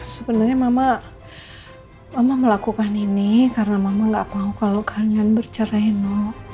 sebenernya mama mama melakukan ini karena mama gak mau kalau kalian bercerai noh